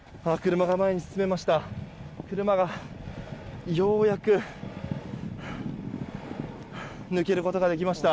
車が前に進めました。